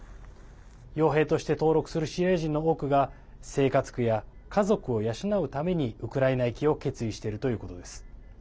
よう兵として登録するシリア人の多くが生活苦や家族を養うためにウクライナ行きを決意しているということです。